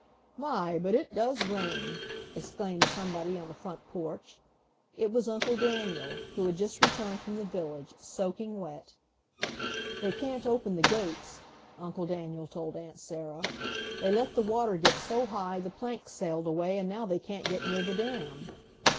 "My, but it does rain!" exclaimed somebody on the front porch. It was Uncle Daniel, who had just returned from the village, soaking wet. "They can't open the gates," Uncle Daniel told Aunt Sarah. "They let the water get so high the planks sailed away and now they can't get near the dam."